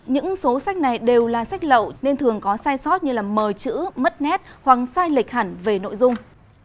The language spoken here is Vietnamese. những số sách này đều là sách lậu nên thường có sai sót như mờ chữ mất nét hoặc sai lệch hẳn về nội dung